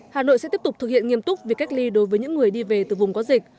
hà nội sẽ tiếp tục thực hiện nghiêm túc việc cách ly đối với những người đi về từ vùng có dịch